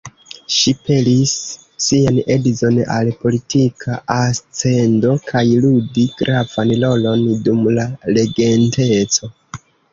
Ŝi pelis sian edzon al politika ascendo kaj ludi gravan rolon dum la Regenteco.